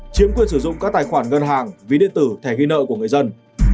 chiếm quyền sử dụng các tài khoản ngân hàng ví điện tử thẻ ghi nợ của người dân